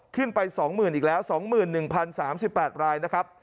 ขึ้นไป๒๐๐๐อีกแล้ว๒๑๐๓๘รายนะครับ